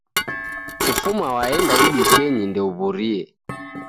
Kufuma waenda idukenyi ndeuw'urie.